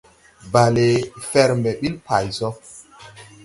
Bale fɛr mbɛ ɓil pay so.